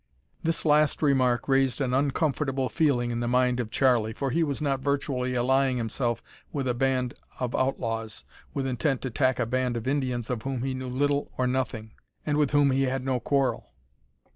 This last remark raised an uncomfortable feeling in the mind of Charlie, for was he not virtually allying himself with a band of outlaws, with intent to attack a band of Indians of whom he knew little or nothing, and with whom he had no quarrel?